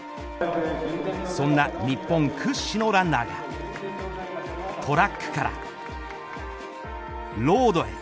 そんな日本屈指のランナーがトラックからロードへ。